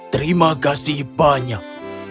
terima kasih banyak